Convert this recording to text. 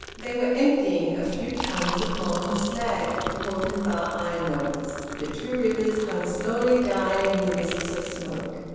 They were emptying a few tons of molten slag at the Cauldon Bar Ironworks. The two rivers hung slowly dying in the mists of smoke.